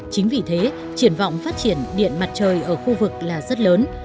chính vì thế triển vọng phát triển điện mặt trời ở khu vực là rất lớn